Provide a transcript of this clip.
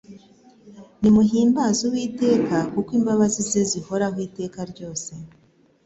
"Muhimbaze Uwiteka kuko imbabazi ze zihoraho iteka.